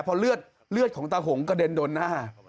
พอเลือดของตาหงกระเด็นโดนหน้า